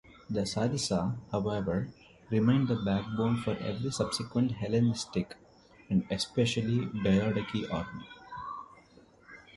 The sarissa, however, remained the backbone for every subsequent Hellenistic, and especially Diadochi army.